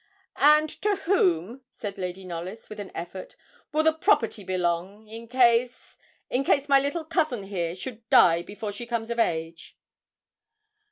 'And to whom,' said Lady Knollys, with an effort, 'will the property belong, in case in case my little cousin here should die before she comes of age?'